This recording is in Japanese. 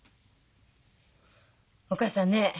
お母さんね